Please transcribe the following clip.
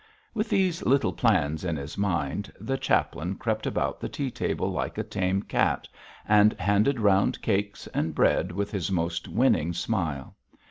With these little plans in his mind the chaplain crept about the tea table like a tame cat, and handed round cake and bread with his most winning smile.